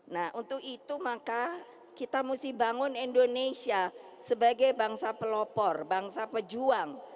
nah untuk itu maka kita mesti bangun indonesia sebagai bangsa pelopor bangsa pejuang